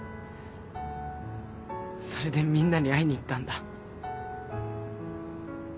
それでみんなに会いに行ったんだ。